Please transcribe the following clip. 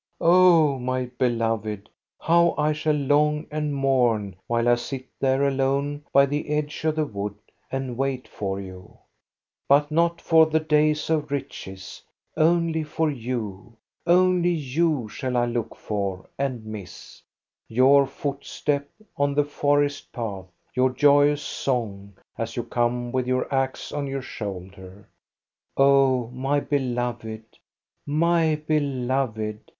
Oh, my beloved, how I shall long and mourn, while I sit there alone by the edge of the wood and wait for you ! But not for the days of riches, only for you ; only you shall I look for and miss, — your footstep on the forest path, your joyous song, as you come with your axe on your shoulder. Oh, my beloved, my beloved